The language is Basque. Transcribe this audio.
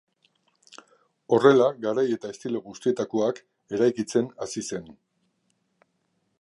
Horrela garai eta estilo guztietakoak eraikitzen hasi zen.